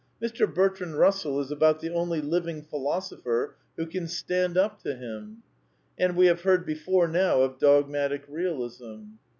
Mr. Bertrand Eussell is about the only living philosopher who can stand up to him. And we have heard before now of dogmatic Realism.